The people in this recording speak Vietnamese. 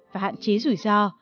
và hạn chế rủi ro